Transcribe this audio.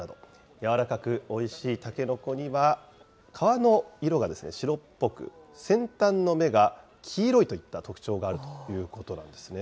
柔らかくおいしいたけのこには、皮の色が白っぽく、先端の芽が黄色いといった特徴があるということなんですね。